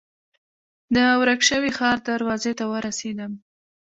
د ورک شوي ښار دروازې ته ورسېدم.